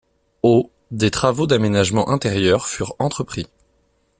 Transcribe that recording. Au des travaux d'aménagement intérieur furent entrepris.